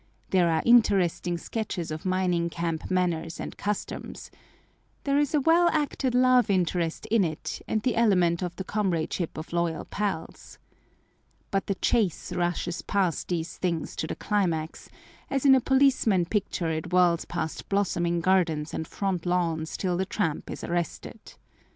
There are interesting sketches of mining camp manners and customs. There is a well acted love interest in it, and the element of the comradeship of loyal pals. But the chase rushes past these things to the climax, as in a policeman picture it whirls past blossoming gardens and front lawns till the tramp is arrested.